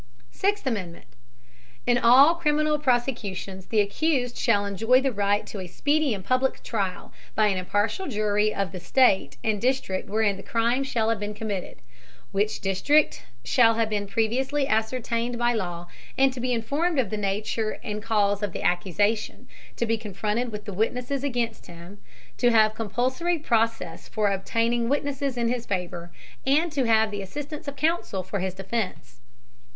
VI. In all criminal prosecutions, the accused shall enjoy the right to a speedy and public trial, by an impartial jury of the State and district wherein the crime shall have been committed, which district shall have been previously ascertained by law, and to be informed of the nature and cause of the accusation; to be confronted with the witnesses against him; to have compulsory process for obtaining Witnesses in his favor, and to have the Assistance of Counsel for his defence.